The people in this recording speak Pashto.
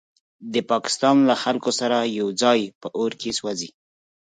د پاکستان له خلکو سره یوځای په اور کې سوځي.